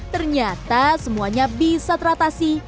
ternyata semuanya bisa teratasi